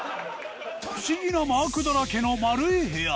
不思議なマークだらけの丸い部屋。